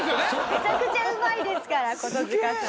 めちゃくちゃうまいですからコトヅカさん。